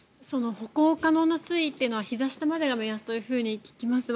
歩行可能な水位というのはひざ下までが目安と聞きます。